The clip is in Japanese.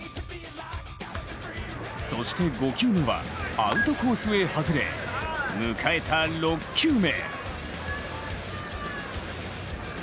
そして更に５球目は、アウトコースへ外れ迎えた６球目。